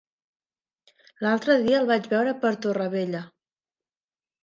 L'altre dia el vaig veure per Torrevella.